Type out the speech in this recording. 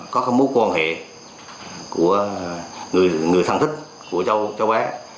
có các mối quan hệ của người thân thích của cháu bác